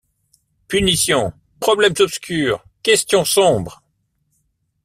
Punition! problème obscur ! questions sombres !